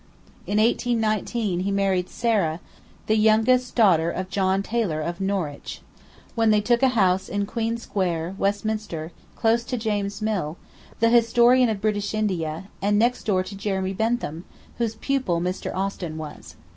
In 1819 he married Sarah, the youngest daughter of John Taylor of Norwich, when they took a house in Queen Square, Westminster, close to James Mill, the historian of British India, and next door to Jeremy Bentham, whose pupil Mr. Austin was.